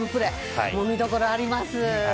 本当に見どころあります。